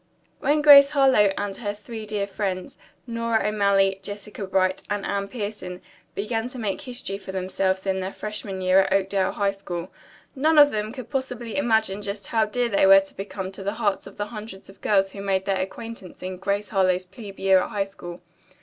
When Grace Harlowe and her three dear friends, Nora O'Malley, Jessica Bright and Anne Pierson, began to make history for themselves in their freshman year at Oakdale High School, none of them could possibly imagine just how dear they were to become to the hearts of the hundreds of girls who made their acquaintance in "Grace Harlowe's Plebe Year at High School."